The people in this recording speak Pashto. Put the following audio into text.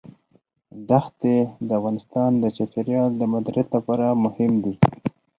دښتې د افغانستان د چاپیریال د مدیریت لپاره مهم دي.